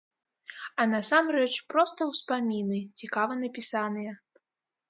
А насамрэч проста ўспаміны, цікава напісаныя.